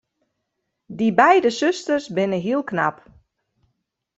Dy beide susters binne hiel knap.